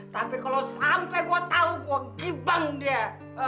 tapi kalau sampe gue tau gue kibang dia